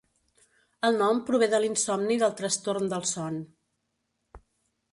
El nom prové de l'insomni del trastorn del son.